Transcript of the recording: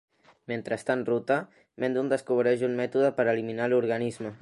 Mentre està en ruta, Mendon descobreix un mètode per eliminar l'organisme.